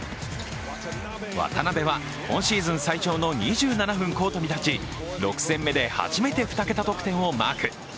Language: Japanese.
渡邊は今シーズン最長の２７分コートに立ち６戦目で初めて２桁得点をマーク。